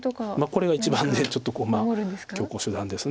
これが一番ちょっと強硬手段です。